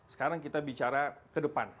sekarang kita bicara ke depan